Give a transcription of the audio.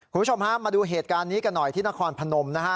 คุณผู้ชมฮะมาดูเหตุการณ์นี้กันหน่อยที่นครพนมนะฮะ